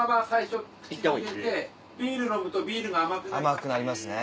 甘くなりますね。